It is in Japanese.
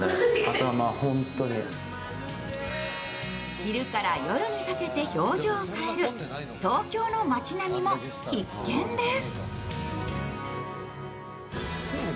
昼から夜にかけて表情を変える東京の街並みも必見です。